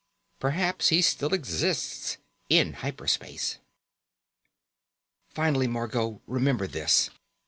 Perhaps he still exists, in hyper space._ _Finally, Margot, remember this.